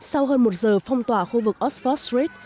sau hơn một giờ phong tỏa khu vực oxford srit